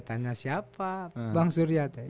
tanya siapa bang surya